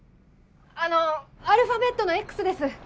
あのアルファベットのＸです。